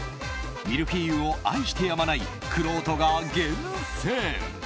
ミルフィーユを愛してやまないくろうとが厳選。